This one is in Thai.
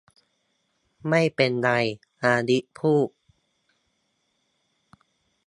ไม่เป็นไร อลิซพูด